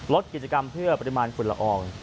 ลดกิจกรรมเพื่อปริมาณฝุ่นละออง